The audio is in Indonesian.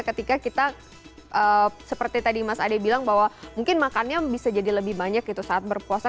ketika kita seperti tadi mas ade bilang bahwa mungkin makannya bisa jadi lebih banyak gitu saat berpuasa